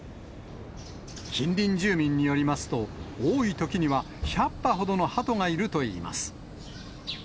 近隣住民によりますと、多いときには１００羽ほどのハトがいるといいます。